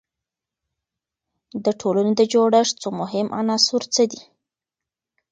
د ټولنې د جوړښت څو مهم عناصر څه دي؟